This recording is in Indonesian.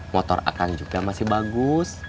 motor akan juga masih bagus